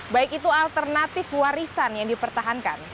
baik itu alternatif warisan yang dipertahankan